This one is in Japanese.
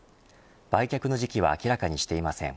売却の時期は明らかにしていません。